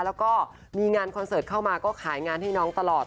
แล้วก็มีงานคอนเสิร์ตเข้ามาก็ขายงานให้น้องตลอด